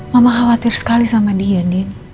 mama khawatir sekali sama dia nien